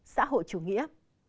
xã hội chủ nghĩa